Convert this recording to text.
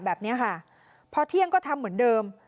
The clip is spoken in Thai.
แบบนี้ค่ะพอเที่ยงก็ทำเหมือนเดิม